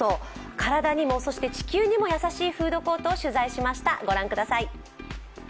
体にも地球にも優しいフードコートを取材しました。